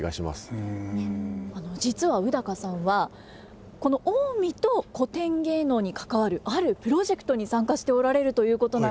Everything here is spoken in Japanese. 実は宇さんはこの近江と古典芸能に関わるあるプロジェクトに参加しておられるということなんですよ。